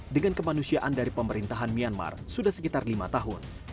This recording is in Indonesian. dengan kemanusiaan dari pemerintahan myanmar sudah sekitar lima tahun